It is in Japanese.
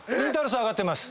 さん上がってます。